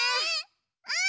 うん！